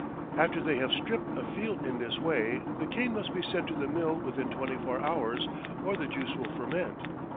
After they have "stripped" a field in this way, the cane must be sent to the mill within twenty four hours, or the juice will ferment.